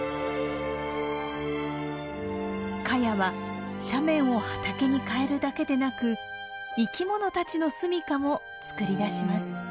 カヤは斜面を畑に変えるだけでなく生きものたちの住みかもつくり出します。